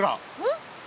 ん？